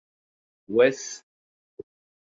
Wes!